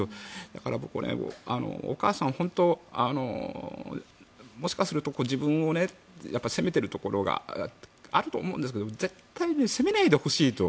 だから、お母さん本当、もしかすると自分を責めているところがあると思うんですけど絶対に責めないでほしいと。